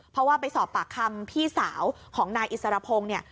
เพราะว่าไปสอบปากคำพี่สาวของนายอิสรพงศ์เนี่ย